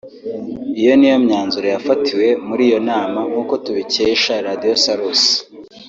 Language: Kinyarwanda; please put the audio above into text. Iyi ni yo myanzuro yafatiwe muri iyo nama nk’uko tubikesha radio Salus